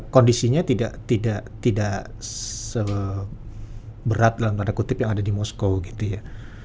kondisinya tidak seberat dalam tanda kutip yang ada di moskow gitu ya